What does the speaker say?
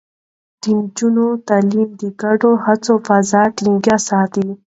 د نجونو تعليم د ګډو هڅو فضا ټينګه ساتي.